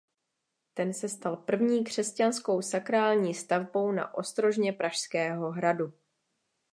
Ten se stal první křesťanskou sakrální stavbou na ostrožně Pražského hradu.